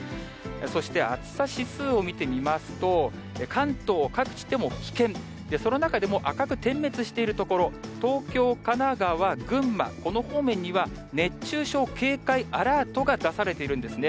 そして暑さ指数を見てみますと、関東各地とも危険、その中でも赤く点滅している所、東京、神奈川、群馬、この方面には熱中症警戒アラートが出されているんですね。